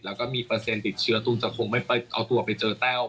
แล้วก็มีเปอร์เซ็นต์ติดเชื้อตูนจะคงไม่ไปเอาตัวไปเจอแต้ว